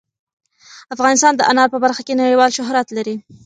افغانستان د انار په برخه کې نړیوال شهرت لري.